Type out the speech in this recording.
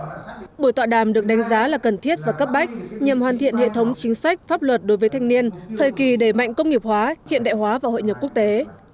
trong đó buổi tọa đàm được đánh giá là cần thiết và cấp bách nhằm hoàn thiện hệ thống chính sách pháp luật đối với thanh niên thời kỳ đẩy mạnh công nghiệp hóa hiện đại hóa và hội nhập quốc tế